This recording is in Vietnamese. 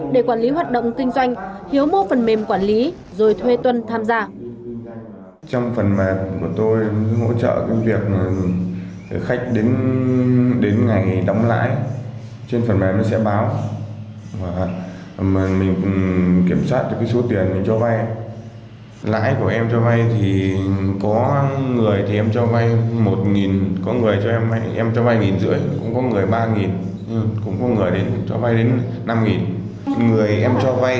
để quản lý hoạt động kinh doanh hiếu mô phần mềm quản lý rồi thuê tuân tham gia